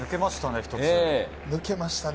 抜けましたね。